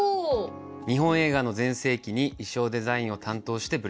日本映画の全盛期に衣装デザインを担当してブレークしました。